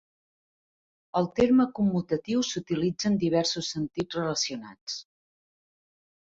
El terme "commutatiu" s"utilitza en diversos sentits relacionats.